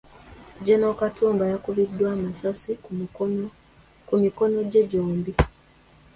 Gen. Katumba yakubiddwa amasasi ku mikono gye gyombi.